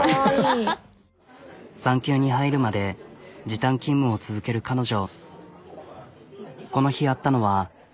産休に入るまで時短勤務を続ける彼女。